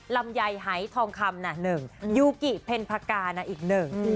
ลำไยหายทองคำน่ะหนึ่งยูกิเพ็ญพกานะอีกหนึ่ง